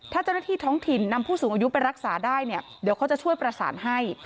ถ้าเจ้าหน้าที่ท้องถิ่นนำผู้สูงอายุไปรักษาได้เนี่ยเดี๋ยวเขาจะช่วยประสานให้